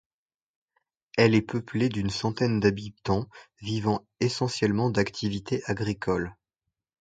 Elle est peuplée d'une centaine d'habitants vivant essentiellement d'activités agricoles.